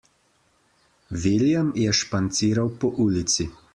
William je španciral po ulici.